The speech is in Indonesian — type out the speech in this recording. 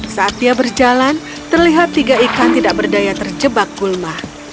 saat dia berjalan terlihat tiga ikan tidak berdaya terjebak kulma